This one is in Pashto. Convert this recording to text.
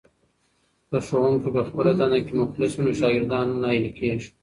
که ښوونکی په خپله دنده کې مخلص وي نو شاګردان نه ناهیلي کېږي.